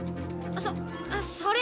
そそれ